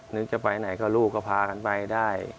นึกจะไปไหนก็ลูกก็พากันไปได้